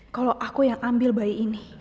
kalo aku yang ambil bayi ini